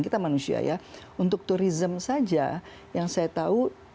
kita manusia ya untuk turism saja yang saya tahu